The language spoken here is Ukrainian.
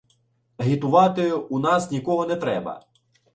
"Агітувати у нас нікого не треба!"